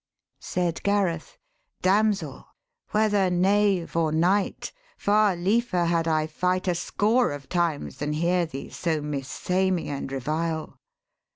Said Gareth, ' Damsel, whether knave or knight, Far liefer had I fight a score of times Than hear thee so missay me and revile.